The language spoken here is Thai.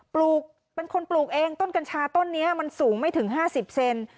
ลูกเป็นคนปลูกเองต้นกัญชาต้นนี้มันสูงไม่ถึง๕๐เซน